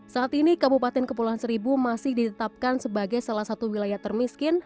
saat ini kabupaten kepulauan seribu masih ditetapkan sebagai salah satu wilayah termiskin